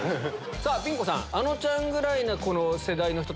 さぁピン子さん。